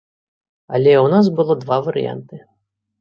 Але ў нас было два варыянты.